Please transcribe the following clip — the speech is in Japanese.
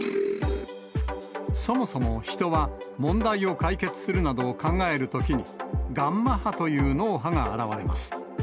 そもそも人は、問題を解決するなど考えるときに、ガンマ波という脳波が現れます。